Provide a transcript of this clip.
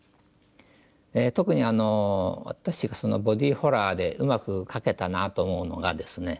特にボディーホラーでうまく描けたなと思うのがですね